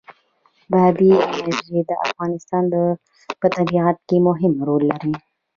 بادي انرژي د افغانستان په طبیعت کې مهم رول لري.